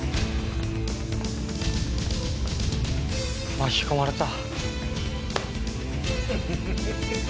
巻き込まれた。